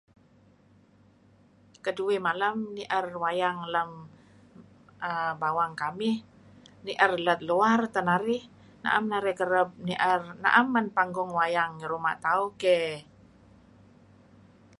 Keduih malem ni'er wayang lem err bawang kamih, ni'er let luar teh narih. Na'em narih kereb ni'er... na'em men panggung wayang ngi ruma' tauh keyh...